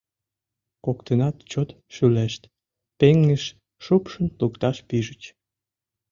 Коктынат чот шӱлешт, пеҥыж шупшын лукташ пижыч.